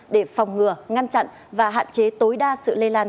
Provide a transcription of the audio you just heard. để phòng ngừa ngăn chặn và hạn chế tối đa sự lây lan